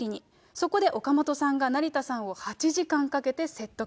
そこで岡本さんが、成田さんを８時間かけて説得。